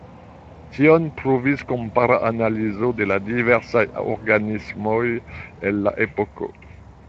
Tion pruvis kompara analizo de la diversaj organismoj el la epoko.